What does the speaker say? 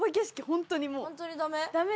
ホントにダメ？